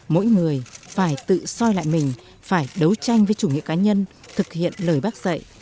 mỗi người phải tự soi lại mình phải đấu tranh với chủ nghĩa cá nhân thực hiện lời bác dạy